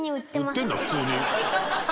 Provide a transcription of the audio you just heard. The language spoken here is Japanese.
売ってるんだ普通に。